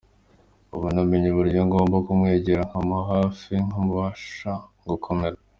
Ubu namenye uburyo ngomba kumwegera nkamuba hafi nkamufasha gukomera”.